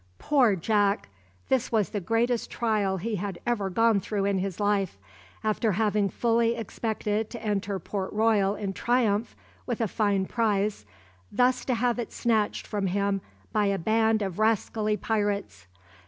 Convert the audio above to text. Poor Jack! this was the greatest trial he had ever gone through in his life. After having fully expected to enter Port Royal in triumph with a fine prize, thus to have it snatched from him by a band of rascally pirates!